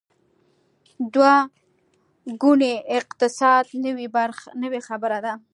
دوه ګونی اقتصاد نوې خبره ده.